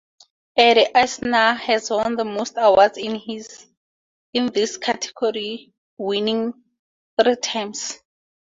Ed Asner has won the most awards in this category, winning three times.